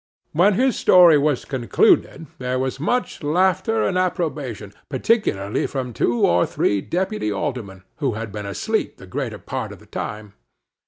When his story was concluded, there was much laughter and approbation, particularly from two or three deputy aldermen, who had been asleep the greater part of the time.